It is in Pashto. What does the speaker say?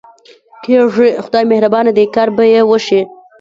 کېږي، خدای مهربانه دی، کار به یې وشي.